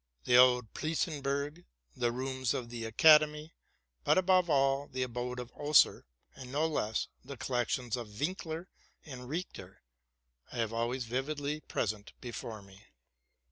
The old Pleissenburg ; the rooms of the Academy ; but, above all, the abode of Oeser; and no less the collections of Winkler and Richter, —I have always vividly present before me.